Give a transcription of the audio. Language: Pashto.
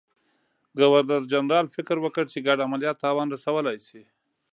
ګورنرجنرال فکر وکړ چې ګډ عملیات تاوان رسولای شي.